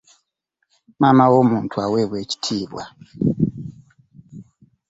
Maama w'omuntu awebwa ekitiibwa!